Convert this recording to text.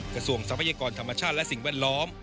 กระส่งศัพท์ยากรธรรมชาติและสิ่งแวดล้อม